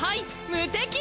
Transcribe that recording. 無敵！